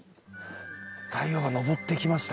太陽が昇ってきました。